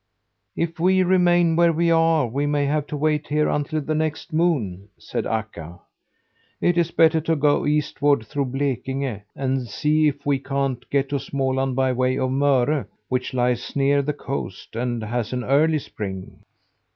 "If we remain where we are, we may have to wait here until the next moon," said Akka. "It is better to go eastward, through Blekinge, and see if we can't get to Småland by way of Möre, which lies near the coast, and has an early spring."